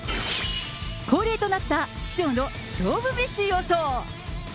恒例となった師匠の勝負メシ予想。